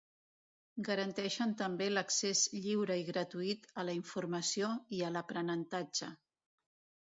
Garanteixen també l’accés lliure i gratuït a la informació i a l’aprenentatge.